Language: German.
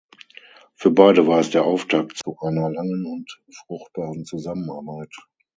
Für beide war es der Auftakt zu einer langen und fruchtbaren Zusammenarbeit.